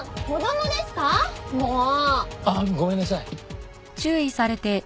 もう！あっごめんなさい。